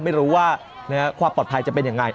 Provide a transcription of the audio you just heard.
ไม่รู้ว่าความปลอดภัยจะเป็นอย่างไร